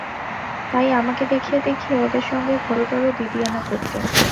তাই আমাকে দেখিয়ে দেখিয়ে ওদের সঙ্গে ঘোরতর দিদিয়ানা করতে।